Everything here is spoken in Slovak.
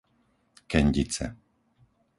Kendice